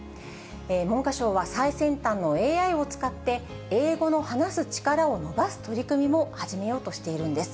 文科省は最先端のＡＩを使って、英語の話す力を伸ばす取り組みも始めようとしているんです。